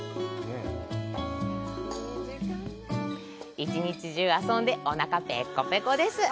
一日中、遊んで、おなかぺっこぺこです。